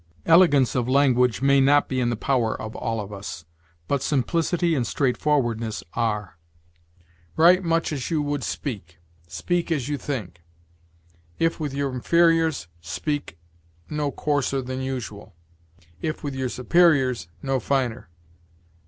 Elegance of language may not be in the power of all of us; but simplicity and straightforwardness are. Write much as you would speak; speak as you think. If with your inferiors, speak no coarser than usual; if with your superiors, no finer.